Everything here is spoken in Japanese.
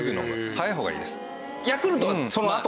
早い方がいいです。